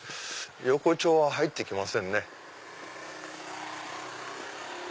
横町は入って来ませんね。